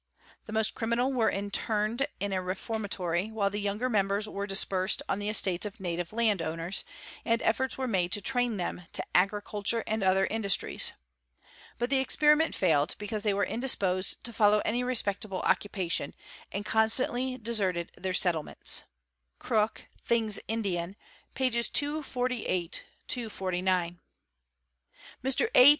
She most criminal were interned in a reformatory, while the younger FEE ME REO RLS lembers were dispersed on the estates of native land owners, and efforts yere made to train them to agriculture and other industries. But the 'experiment failed, because they were indisposed to follow any respectable EL DRA TR DCC apation, and constantly deserted their settlements.' (Crooke 'Things Indian," pp. 248, 249.) | Mr. A.